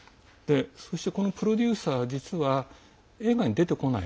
このプロデューサー実は映画に出てこない。